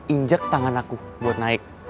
injek tangan aku buat naik